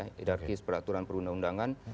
hidarkis peraturan perundang undangan